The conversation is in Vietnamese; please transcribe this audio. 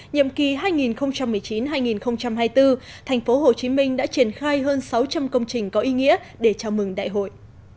nhậm kỳ hai nghìn một mươi chín hai nghìn hai mươi bốn thành phố hồ chí minh đã triển khai hơn sáu trăm linh công trình có ý nghĩa để chào mừng đại hội